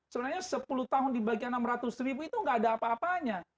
sebenarnya sepuluh tahun di bagian enam ratus ribu itu nggak ada apa apanya